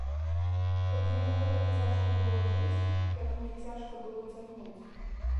Каб яму гэтак цяжка было жыць, як мне цяжка было цягнуць.